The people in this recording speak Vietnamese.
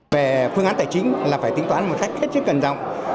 về phương án tài chính là phải tính toán một cách hết chất cần rộng